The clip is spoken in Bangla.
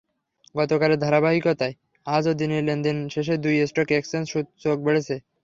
গতকালের ধারাবাহিকতায় আজও দিনের লেনদেন শেষে দুই স্টক এক্সচেঞ্জে সূচক বেড়েছে।